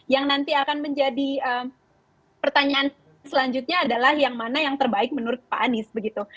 yang nanti akan menjadi pertanyaan selanjutnya adalah yang mana yang terbaik menurut pak anies begitu